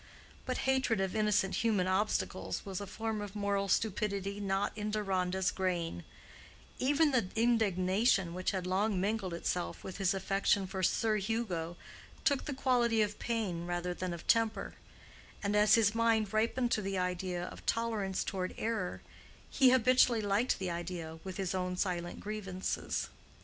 But hatred of innocent human obstacles was a form of moral stupidity not in Deronda's grain; even the indignation which had long mingled itself with his affection for Sir Hugo took the quality of pain rather than of temper; and as his mind ripened to the idea of tolerance toward error, he habitually liked the idea with his own silent grievances.